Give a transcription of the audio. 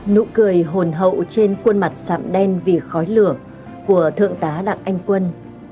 nụ cười hồn hậu trên khuôn mặt sạm đen vì khói lửa của thượng tá đặng anh quân